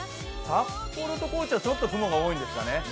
札幌と高知は雲が多いんですかね。